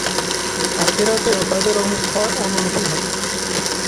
আখিরাতেও তাদের অবস্থা অনুরূপই হবে।